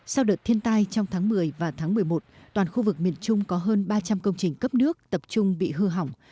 sau đợt thiên tai trong tháng một mươi và tháng một mươi một toàn khu vực miền trung có hơn ba trăm linh công trình cấp nước tập trung bị hư hỏng